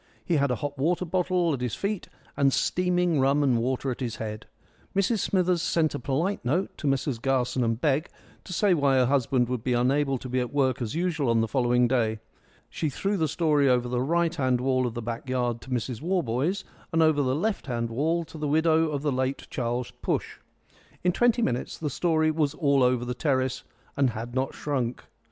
He had a hot water bottle at his feet, and steaming rum and water at his head. Mrs Smithers sent a polite note to Messrs Garson & Begg to say why her husband would be unable to be at work as usual on the following day. She threw the story over the right hand wall of the back yard to Mrs Warboys, and over the left hand wall to the widow of the late Charles Push. In twenty minutes the story was all over the terrace and had not shrunk.